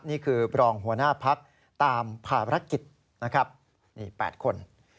นี่คือรองหัวหน้าพักตามภารกิจนะครับนี่๘คน